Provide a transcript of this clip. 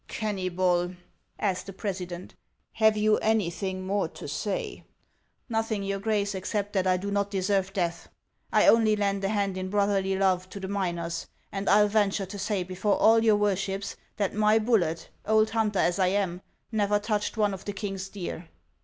" Kenuybol, asked the president, " have you anything more to say ?" "Nothing, your Grace, except that I do not deserve death. I only lent a hand in brotherly love to the miners, and I '11 venture to say before all your worships that my bullet, old hunter as I am, never touched one of the king's deer."